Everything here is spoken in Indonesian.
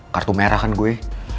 kartu merah kan gue